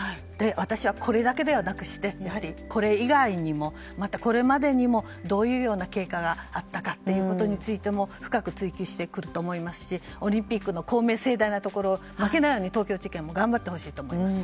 私はこれだけではなくしてこれ以外にもまた、これまでにもどういう経過があったかについて深く追及してくると思いますしオリンピックの公明正大なところそこに負けないように東京地検も頑張ってもらいたいと思います。